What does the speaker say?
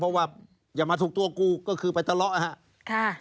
เพราะว่าอย่ามาถูกตัวกูก็คือไปทะเลาะนะครับ